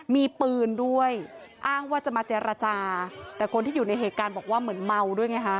มีปืนด้วยอ้างว่าจะมาเจรจาแต่คนที่อยู่ในเหตุการณ์บอกว่าเหมือนเมาด้วยไงฮะ